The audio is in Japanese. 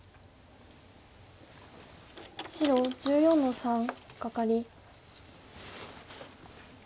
白１４の三カカリ。